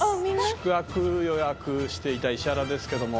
宿泊予約していた石原ですけども。